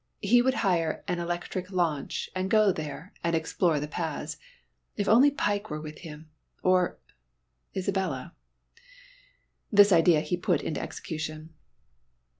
He would hire an electric launch and go there and explore the paths. If only Pike were with him or Isabella! This idea he put into execution.